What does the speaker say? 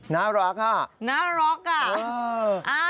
น่ารักอ่ะ